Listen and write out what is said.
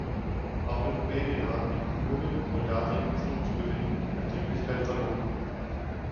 Auch in Rumänien haben die Bemühungen, Moldawien zurückzugewinnen an Dringlichkeit verloren.